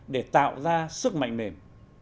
để tạo ra sức mạnh mềm